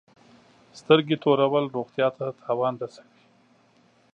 سترګي تورول روغتیا ته تاوان رسوي.